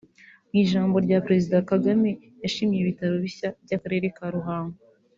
Mu ijambo rya Perezida Kagame yashimye ibi bitaro bishya by’Akarere ka Ruhango